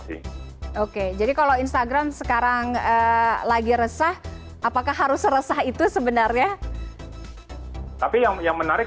sih oke jadi kalau instagram sekarang lagi resah apakah harus resah itu sebenarnya tapi yang menarik